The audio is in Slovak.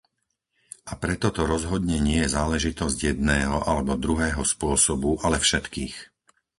A preto to rozhodne nie je záležitosť jedného alebo druhého spôsobu, ale všetkých.